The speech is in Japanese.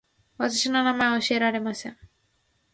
私の名前は教えられません